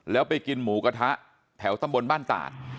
แล้วไปกินหมูกระทะแถวตำบลบ้านตาด